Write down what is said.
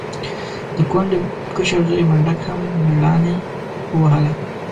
د کونډې کشر زوی منډک هم مېړانې ووهله.